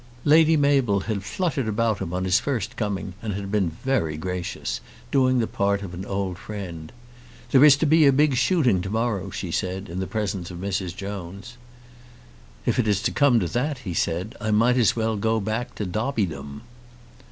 Lady Mabel had fluttered about him on his first coming, and had been very gracious, doing the part of an old friend. "There is to be a big shooting to morrow," she said, in the presence of Mrs. Jones. "If it is to come to that," he said, "I might as well go back to Dobbydom."